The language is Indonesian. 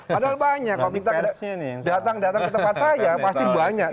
padahal banyak kalau kita datang datang ke tempat saya pasti banyak